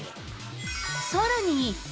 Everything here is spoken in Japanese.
さらに。